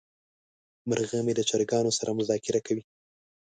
مرغه مې د چرګانو سره مذاکره کوي.